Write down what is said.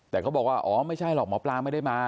แต่เขาบอกว่าอ๋อไม่ใช่หรอกหมอปลาไม่ได้มา